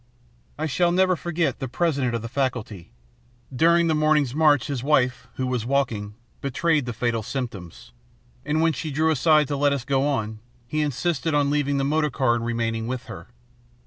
I shall never forget the President of the Faculty. During the morning's march his wife, who was walking, betrayed the fatal symptoms, and when she drew aside to let us go on, he insisted on leaving the motor car and remaining with her.